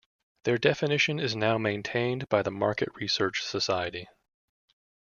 Their definition is now maintained by the Market Research Society.